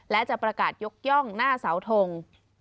และจะประกาศยกย่องหน้าเสาทง